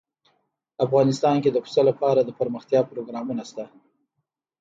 افغانستان کې د پسه لپاره دپرمختیا پروګرامونه شته.